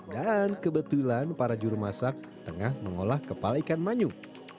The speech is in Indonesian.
dan kebetulan para jurumasak tengah mengolah kepala ikan manyuk